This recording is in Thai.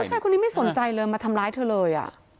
ผู้ชายคนนี้ไม่สนใจเลยมาทำร้ายเธอเลย